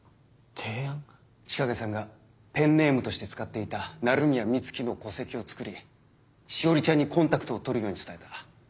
千景さんがペンネームとして使っていた「鳴宮美月」の戸籍をつくり詩織ちゃんにコンタクトを取るように伝えた。